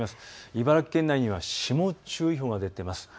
茨城県内には霜注意報が出ています。